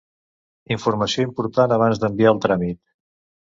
Informació important abans d'enviar el tràmit.